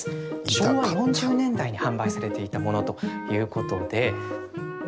昭和４０年代に販売されていたものということで。